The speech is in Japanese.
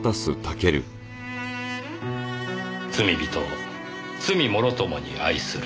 罪びとを罪もろともに愛する。